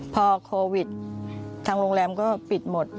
พอโควิดทางโรงแรมก็ปิดหมด